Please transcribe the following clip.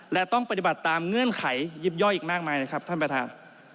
และต้องปฏิบัติตามเงื่อนไขยิบย่อยอีกมากมายนะครับท่านประธาน